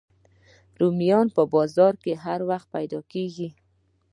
رومیان په بازار کې هر وخت پیدا کېږي